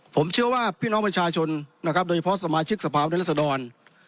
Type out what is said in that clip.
ผมเชื่อว่าพี่น้องประชาชนโดยเฉพาะสมาชิกสภาพในรัฐสดร